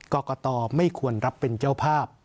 กรกตไม่ควรรับเป็นเจ้าภาพ